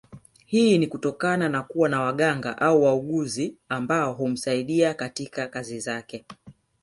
Hii ni kutokana na kuwa na waganga au waaguzi ambao humsaidia katika kazi zake